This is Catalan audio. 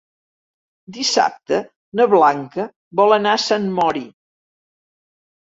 Dissabte na Blanca vol anar a Sant Mori.